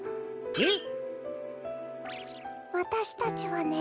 えっ。